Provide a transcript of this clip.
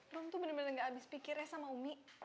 rom tuh bener bener nggak abis pikirnya sama umi